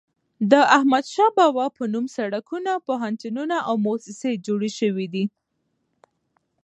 د احمد شاه بابا په نوم سړکونه، پوهنتونونه او موسسې جوړي سوي دي.